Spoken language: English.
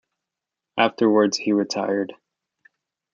Afterwards he retired.